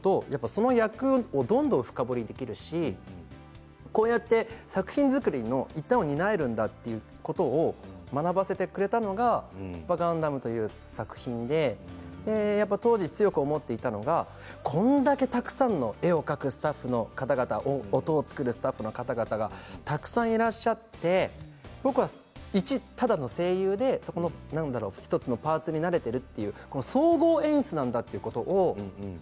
その役をどんどん深掘りできるしこうやって作品作りの一端を担えるんだということを学ばせてくれたのが「ガンダム」という作品で当時、強く思っていたのはこれだけたくさん絵を描くスタッフ音を作るスタッフがいらっしゃって僕はただの声優で１つのパーツになれている。